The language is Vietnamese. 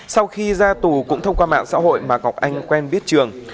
sau khi ra tù cũng thông qua mạng xã hội mà ngọc anh quen biết trường